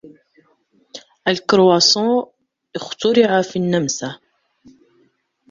الكرواسون اخترع في النمسا.